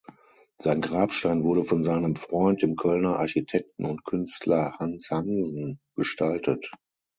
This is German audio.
Sein Grabstein wurde von seinem Freund, dem Kölner Architekten und Künstler Hans Hansen gestaltet.